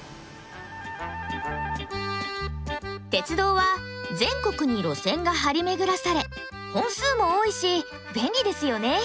鉄道は全国に路線が張り巡らされ本数も多いし便利ですよね。